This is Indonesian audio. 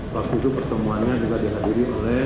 waktu itu pertemuannya juga dihadiri oleh